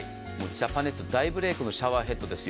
ジャパネット大ブレイクのシャワーヘッドです。